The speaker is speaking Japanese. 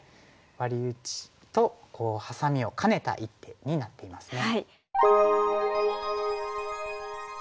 ワリ打ちとハサミを兼ねた一手になっていますね。